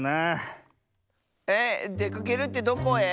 ええっ？でかけるってどこへ？